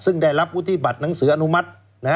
ซึ่งได้รับวุฒิบัตรหนังสืออนุมัติ